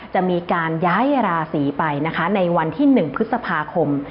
จะมีการย้ายราศีไปนะคะในวันที่๑พฤษภาคม